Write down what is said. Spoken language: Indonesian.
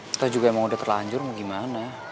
kita juga emang udah terlanjur mau gimana